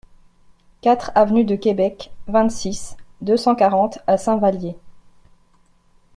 quatre avenue de Quebec, vingt-six, deux cent quarante à Saint-Vallier